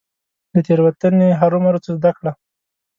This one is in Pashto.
له تيروتني هرمروه څه زده کړه .